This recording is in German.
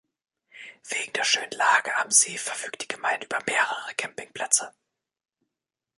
Wegen der schönen Lage am See verfügt die Gemeinde über mehrere Camping-Plätze.